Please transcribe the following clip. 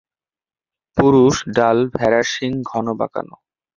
পুরুষ ডাল ভেড়ার শিং ঘন বাঁকানো।